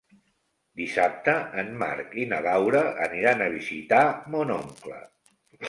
Dissabte en Marc i na Laura aniran a visitar mon oncle.